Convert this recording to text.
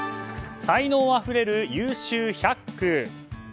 才能あふれる優秀１００句。